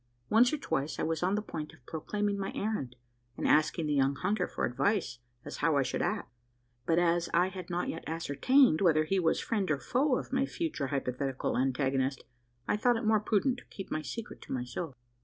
Once or twice, I was on the point of proclaiming my errand, and asking the young hunter for advice as how I should act; but as I had not yet ascertained whether he was friend or foe of my future hypothetical antagonist, I thought it more prudent to keep my secret to myself.